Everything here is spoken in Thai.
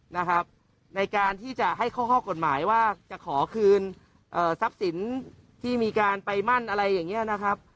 ในการที่จะให้ข้อกฎหมายว่าจะขอคืนทรัพย์สินที่มีการไปมั่นอะไรอย่างนี้นะครับ